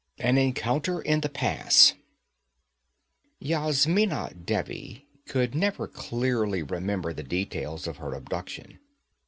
4 An Encounter in the Pass Yasmina Devi could never clearly remember the details of her abduction.